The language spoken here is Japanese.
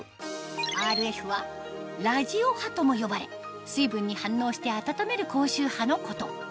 ＲＦはラジオ波とも呼ばれ水分に反応して温める高周波のこと